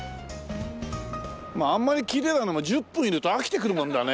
まああんまりきれいなのも１０分いると飽きてくるもんだね。